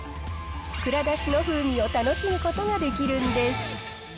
蔵出しの風味を楽しむことができるんです。